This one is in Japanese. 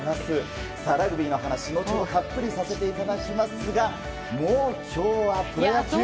ラグビーの話を今日もたっぷりさせていただきますがもう今日は、プロ野球！